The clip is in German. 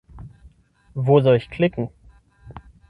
Wo soll ich klicken?